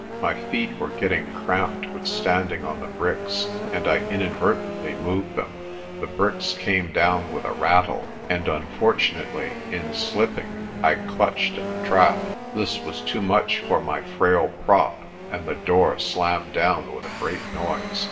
My feet were getting cramped with standing on the bricks, and I inadvertently moved them. The bricks came down with a rattle, and unfortunately in slipping I clutched at the trap. This was too much for my frail prop and the door slammed down with a great noise.